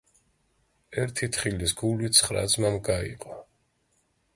ერთი თხილის გული ცხრა ძმამ გაიყო.